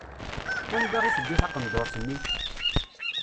Anda i teǧǧa taqenduṛt-nni?